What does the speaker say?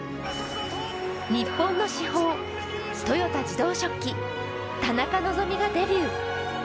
日本の至宝・豊田自動織機、田中希実がデビュー。